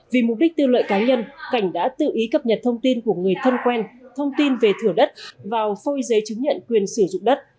vì mục đích tiêu lợi cá nhân cảnh đã tự ý cập nhật thông tin của người thân quen thông tin về thửa đất vào phôi giấy chứng nhận quyền sử dụng đất